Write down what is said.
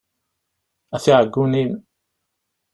A tiɛeggunin!